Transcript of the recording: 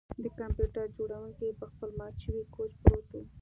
د کمپیوټر جوړونکی په خپل مات شوي کوچ پروت و